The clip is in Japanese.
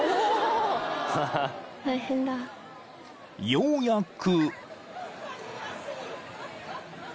［ようやく］